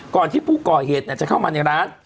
ก่อนที่ผู้ก่อเหตุจะเข้ามาในร้าน